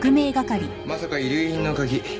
まさか遺留品の鍵